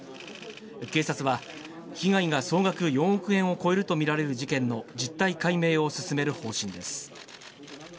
警察は被害が総額４億円を超えると見られる事件の実態解明を進める方針です。